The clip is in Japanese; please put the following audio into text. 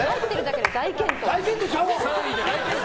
大健闘ちゃうわ！